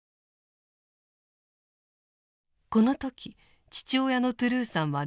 この時父親のトゥルーさんは６０代。